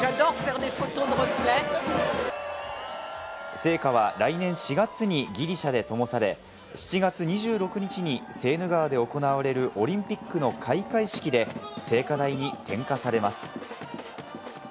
聖火は来年４月にギリシャで灯され、７月２６日にセーヌ川で行われるオリンピックの開会式で聖火台に点火されます。